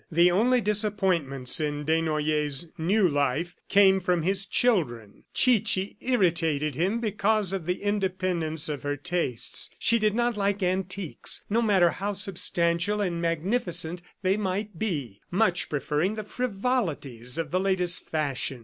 The only disappointments in Desnoyers' new life came from his children. Chichi irritated him because of the independence of her tastes. She did not like antiques, no matter how substantial and magnificent they might be, much preferring the frivolities of the latest fashion.